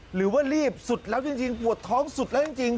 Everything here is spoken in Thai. หรือว่ารีบสุดแล้วจริงปวดท้องสุดแล้วจริง